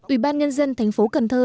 ủy ban nhân dân thành phố cần thơ